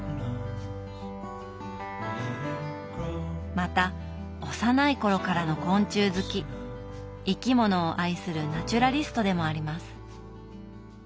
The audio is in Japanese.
また幼い頃からの昆虫好き生き物を愛するナチュラリストでもあります。